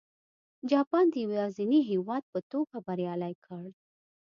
جاپان د یوازیني هېواد په توګه بریالی کړ.